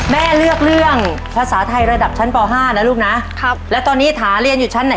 แม่เลือกเรื่องภาษาไทยระดับชั้นป๕นะลูกนะ